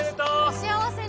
お幸せに。